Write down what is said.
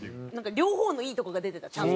両方のいいとこが出てたちゃんと。